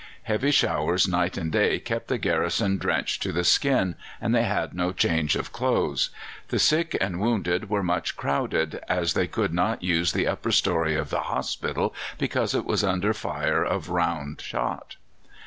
Heavy showers night and day kept the garrison drenched to the skin, and they had no change of clothes. The sick and wounded were much crowded, as they could not use the upper story of the hospital because it was under fire of round shot.